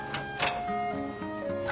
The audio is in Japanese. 何？